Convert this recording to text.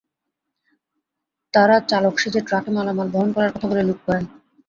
তাঁরা চালক সেজে ট্রাকে মালামাল বহন করার কথা বলে লুট করেন।